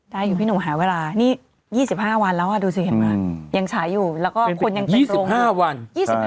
ได้อยู่พี่หนุ่มหาเวลานี่๒๕วันแล้วดูสิเห็นไหมยังฉายอยู่แล้วก็คนยังคิดอยู่๕วัน